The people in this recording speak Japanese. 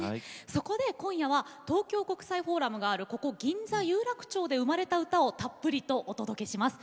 そこで今夜は東京国際フォーラムがあるここ銀座・有楽町で生まれた歌をたっぷりとお届けします。